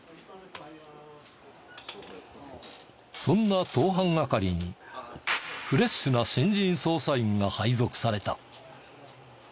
そんな盗犯係にフレッシュな新人捜査員が配属された。